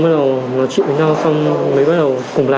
bắt đầu nói chuyện với nhau xong mới bắt đầu cùng làm